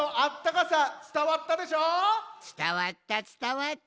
つたわったつたわった。